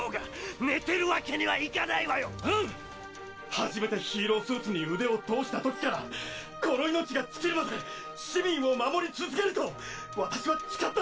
初めてヒーロースーツに腕を通した時からこの命が尽きるまで市民を守り続けると私は誓った！